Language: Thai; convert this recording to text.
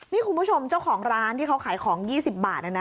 นี่คุณผู้ชมเจ้าของร้านที่เขาขายของ๒๐บาทนะนะ